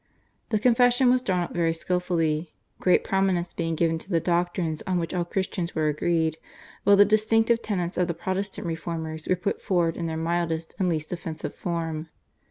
The Confession was drawn up very skilfully, great prominence being given to the doctrines on which all Christians were agreed, while the distinctive tenets of the Protestant reformers were put forward in their mildest and least offensive form.